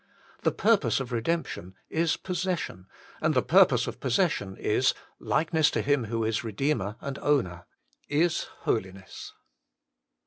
The purpose of redemp tion is Possession, and the purpose of Possession is likeness to Him who is Kedeemer and Owner, is Holiness.